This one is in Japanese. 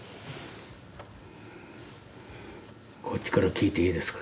こっちから聞いていいですか？